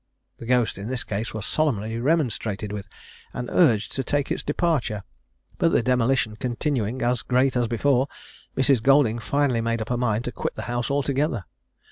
The ghost in this case was solemnly remonstrated with, and urged to take its departure; but the demolition continuing as great as before, Mrs. Golding finally made up her mind to quit the house altogether.